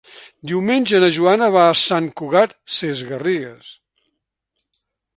Diumenge na Joana va a Sant Cugat Sesgarrigues.